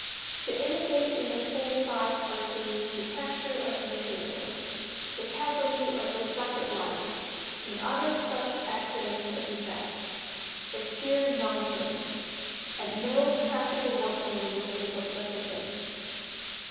To imitate in a full sized cartoon the texture of material, the casualty of reflected light, and other such accidents of effect, is sheer nonsense, and no practical workman would think of such a thing.